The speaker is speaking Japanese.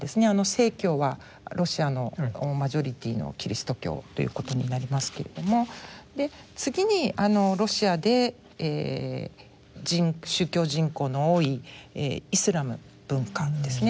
正教はロシアのマジョリティーのキリスト教ということになりますけれども次にロシアで宗教人口の多いイスラム文化ですね。